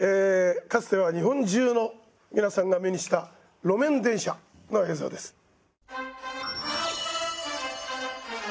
かつては日本中の皆さんが目にした路面電車の映像です。